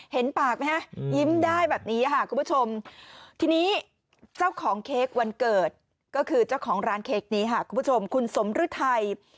เห็นปากไหมฮะยิ้มได้แบบนี้ค่ะคุณผู้ชมทีนี้เจ้าของเค้กวันเกิดก็คือเจ้าของร้านเค้กนี้ค่ะคุณผู้ชมคุณสมฤทัย